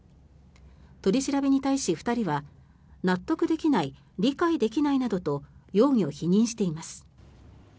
取り調べに対し、２人は納得できない理解できないなどと容疑を否認しています。